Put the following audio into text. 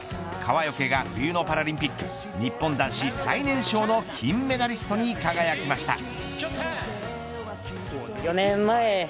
川除が冬のパラリンピック日本男子最年少の金メダリストに輝きました。